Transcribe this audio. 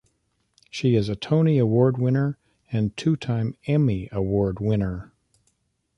She is a Tony Award winner and two-time Emmy Award winner.